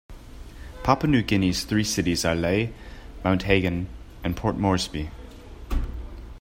Papua New Guinea's three cities are Lae, Mount Hagen and Port Moresby.